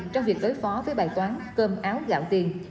trong việc đối phó với bài toán cơm áo gạo tiền